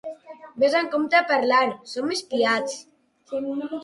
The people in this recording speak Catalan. Ves amb compte a parlar: som espiats.